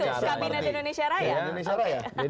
itu kabinet indonesia raya